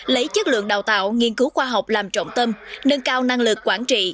lấy chất lượng đào tạo nghiên cứu khoa học làm trọng tâm nâng cao năng lực quản trị